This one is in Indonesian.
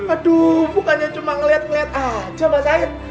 aduh bukannya cuma ngeliat ngeliat aja mas haid